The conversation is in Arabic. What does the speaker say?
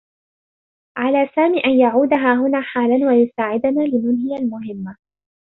على سامي أن يعود هاهنا حالًا ويساعدنا لننهي المهمة.